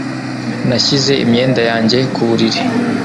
Nashyize imyenda yanjye ku buriri